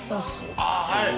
ああはい。